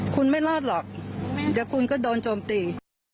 คุณไม่รอดหรอกเดี๋ยวคุณก็โดนโจมตี